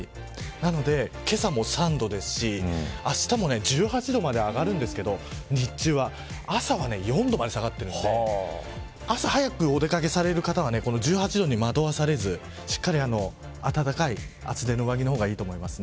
なので、けさも３度ですしあしたも１８度まで上がるんですけど日中は朝は４度まで下がってるんで朝早くお出掛けされる方はこの１８度に惑わされずしっかり暖かい厚手の上着の方がいいと思います。